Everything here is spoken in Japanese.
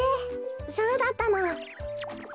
そうだったの。